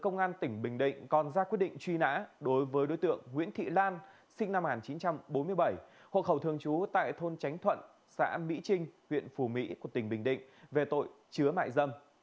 nguyễn thị lan sinh năm một nghìn chín trăm bốn mươi bảy hộ khẩu thường trú tại thôn tránh thuận xã mỹ trinh huyện phù mỹ tp bình định về tội chứa mại dâm